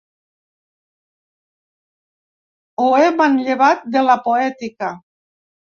Ho he manllevat de la poètica.